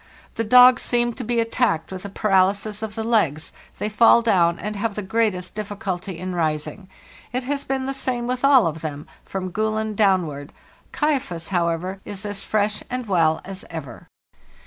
The dogs seem to be attacked with a paralysis of the legs; they fall down, and have the greatest difficulty in rising. It has been the same with all of them, from ' Gulen' downward. ' Kaifas,' however, is as fresh and well as ever.